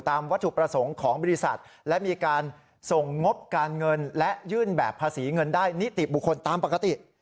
วัตถุประสงค์ของบริษัทและมีการส่งงบการเงินและยื่นแบบภาษีเงินได้นิติบุคคลตามปกติ